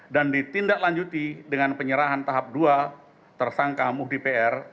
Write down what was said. dan ditindaklanjuti dengan penyerahan tahap dua tersangka muhdi pr